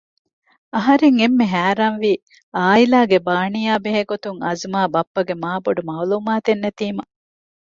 އަހަރެން އެންމެ ހައިރާންވީ އާއިލާގެ ބާނީއާ ބެހޭ ގޮތުން އަޒުމާ ބައްޕަގެ މާބޮޑު މައުލޫމާތެއް ނެތީމަ